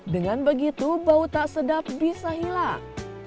dengan begitu bau tak sedap bisa hilang